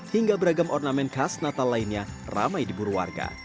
hingga beragam ornamen khas natal lainnya ramai diburu warga